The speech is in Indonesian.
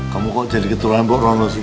kamu kok jadi keturunan bu rono sih